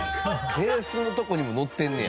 ベースのとこにものってんねや。